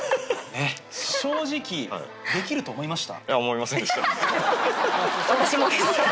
正直できると思いました？